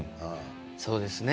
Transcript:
そうですね。